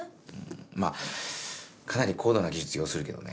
まぁかなり高度な技術要するけどね。